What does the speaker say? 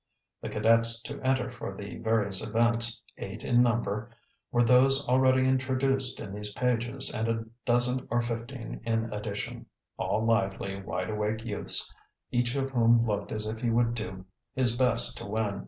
The cadets to enter for the various events, eight in number, were those already introduced in these pages and a dozen or fifteen in addition, all lively, wide awake youths, each of whom looked as if he would do his best to win.